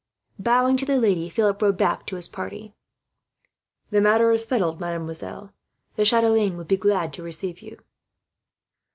Bowing to the lady, Philip rode back to his party. "The matter is settled, mademoiselle. The chatelaine will be glad to receive you."